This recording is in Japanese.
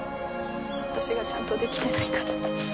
私がちゃんとできてないから。